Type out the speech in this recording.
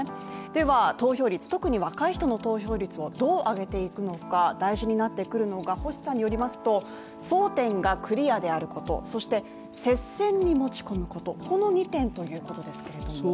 では、投票率、特に若い人の投票率をどう上げていくのか大事になってくるのが、星さんによりますと争点がクリアであること、そして接戦に持ち込むこと、この２点ということですけれども。